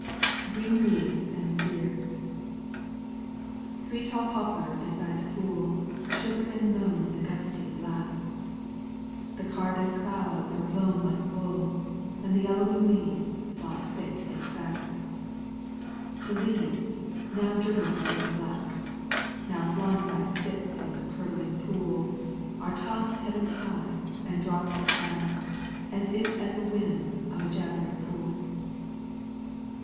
GREEN LEAVES AND SERE Three tall poplars beside the pool Shiver and moan in the gusty blast; The carded clouds are blown like wool, And the yellowing leaves fly thick and fast. The leaves, now driven before the blast, Now flung by fits on the curdling pool, Are tossed heaven high and dropped at last As if at the whim of a jabbering fool.